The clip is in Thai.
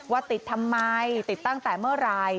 ว่าติดทำไมติดตั้งแต่เมื่อไหร่